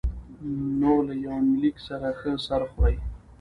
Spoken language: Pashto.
نو له يونليک سره ښه سر خوري